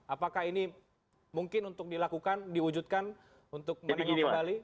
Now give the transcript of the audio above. apakah ini mungkin untuk dilakukan diwujudkan untuk menengok menali